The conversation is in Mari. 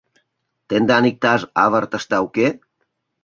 Тендан иктаж авыртышда уке?